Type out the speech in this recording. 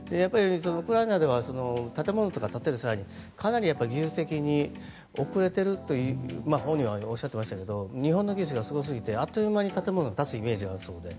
ウクライナでは建物とか建てる際にかなり技術的に遅れていると本人はおっしゃってましたけど日本の技術がすごすぎてあっという間に建物が建つイメージがあるそうで。